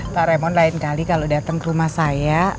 pak remon lain kali kalo dateng ke rumah saya